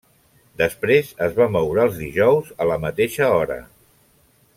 Després es va moure als dijous a la mateixa hora.